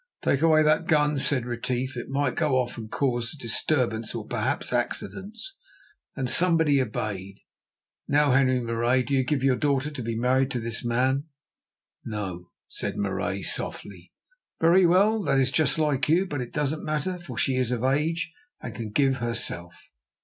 "Take away that gun," said Retief; "it might go off and cause disturbance or perhaps accidents," and somebody obeyed. "Now, Henri Marais, do you give your daughter to be married to this man?" "No," said Marais softly. "Very well, that is just like you, but it doesn't matter, for she is of age and can give herself.